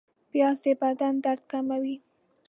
پیاز د بدن درد کموي